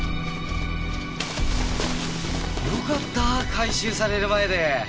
よかった回収される前で。